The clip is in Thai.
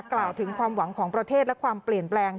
กล่าวถึงความหวังของประเทศและความเปลี่ยนแปลง